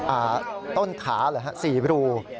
อ่าต้นขาเหรอคะ๔รู